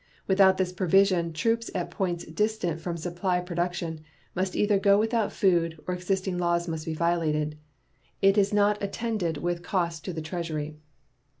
Without this provision troops at points distant from supply production must either go without food or existing laws must be violated. It is not attended with cost to the Treasury.